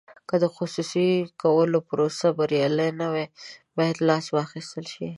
که د خصوصي کولو پروسه بریالۍ نه وي باید لاس واخیستل شي.